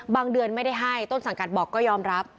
เดือนไม่ได้ให้ต้นสังกัดบอกก็ยอมรับ